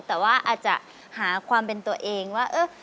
แต่ว่าอาจจะหาความเป็นตัวเองว่า